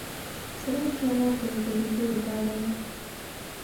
سره اشاره د دریدو لپاره ده.